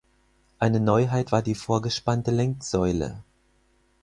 Eine Neuheit war die vorgespannte Lenksäule.